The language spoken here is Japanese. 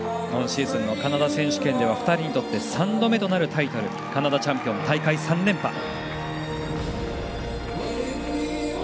今シーズンのカナダ選手権では２人にとって３度目となるタイトル、カナダチャンピオン大会３連覇。